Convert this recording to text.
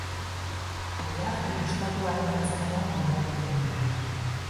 Collage ilustratuaren aitzakian gonbidatu dugu.